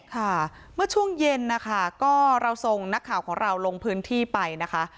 ค่ะเมื่อช่วงเย็นนะคะก็เราส่งนักข่าวของเราลงพื้นที่ไปนะคะ